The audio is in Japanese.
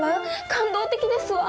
感動的ですわ。